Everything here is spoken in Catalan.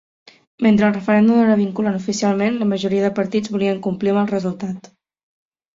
Mentre el referèndum no era vinculant oficialment, la majoria de partits volien complir amb el resultat.